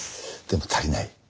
でも足りない。